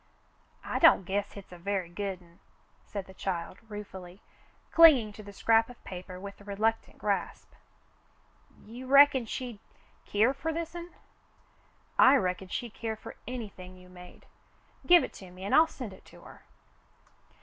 "I don't guess hit's a very good'n," said the child, ruefully, clinging to the scrap of paper with reluctant grasp. "You reckon she'd keer fer this'n.^" "I reckon she'd care for anything you made. Give it to me, and I'll send it to her."